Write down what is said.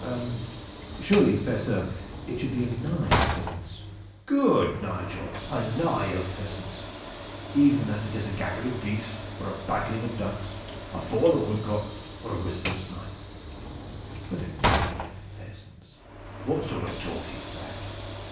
"Surely, fair sir, it should be a nye of pheasants." "Good, Nigel a nye of pheasants, even as it is a gaggle of geese or a badling of ducks, a fall of woodcock or a wisp of snipe. But a covey of pheasants! What sort of talk is that?